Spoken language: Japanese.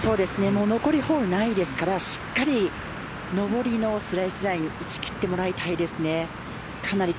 残りホールないですからしっかり上りのスライスライン打ち切ってもらいたいです。